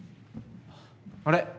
あれ？